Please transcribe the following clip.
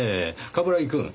冠城くん。